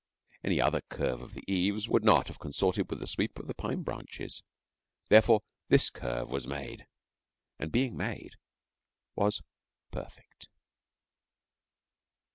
Any other curve of the eaves would not have consorted with the sweep of the pine branches; therefore, this curve was made, and being made, was perfect.